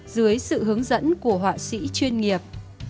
dưới sự hướng dẫn của họa sĩ chuyên nghiệp